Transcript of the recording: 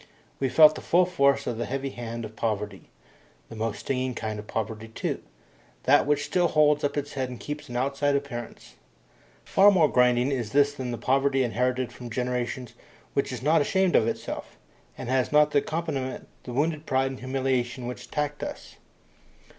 We felt the full force of the heavy hand of poverty the most stinging kind of poverty too, that which still holds up its head and keeps an outside appearance. Far more grinding is this than the poverty inherited from generations which is not ashamed of itself, and has not as an accompaniment the wounded pride and humiliation which attacked us.